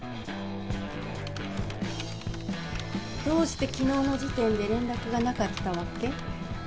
どうして昨日の時点で連絡がなかったわけ？